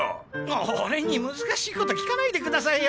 お俺に難しいこと聞かないでくださいよ。